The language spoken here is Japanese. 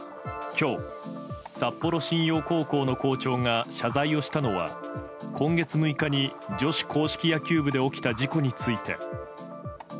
今日、札幌新陽高校の校長が謝罪をしたのは今月６日に、女子硬式野球部で起きた事故について。